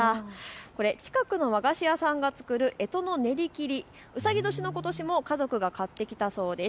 これ、近くの和菓子屋さんが作るえとの練り切り、うさぎ年のことしも家族が買ってきたそうです。